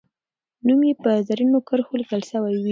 نوم یې به په زرینو کرښو لیکل سوی وي.